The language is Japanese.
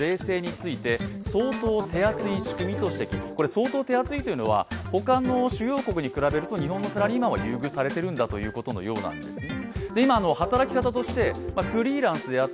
相当手厚いというのは、ほかの主要国と比べると、日本のサラリーマンは優遇されているんだということのようですね。